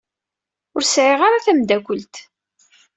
Ur sɛiɣ ara tameddakelt.